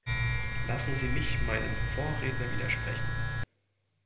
Lassen Sie mich meinem Vorredner widersprechen.